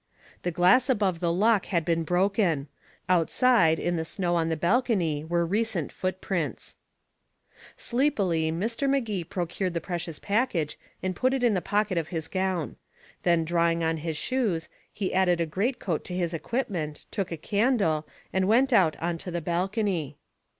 The glass above the lock had been broken. Outside, in the snow on the balcony, were recent footprints. Sleepily Mr. Magee procured the precious package and put it in the pocket of his gown. Then drawing on his shoes, he added a greatcoat to his equipment, took a candle, and went out on to the balcony.